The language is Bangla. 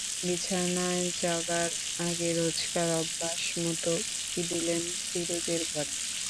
বিছানায় যাবার আগে রোজকার অভ্যোসমতো উঁকি দিলেন ফিরোজের ঘরে।